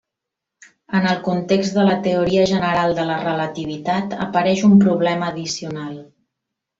En el context de la teoria general de la relativitat apareix un problema addicional.